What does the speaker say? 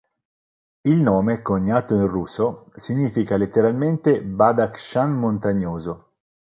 Il nome, coniato in russo significa letteralmente "Badakhshan montagnoso".